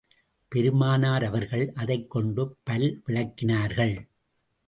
பெருமானார் அவர்கள் அதைக் கொண்டு பல் விளக்கினார்கள்.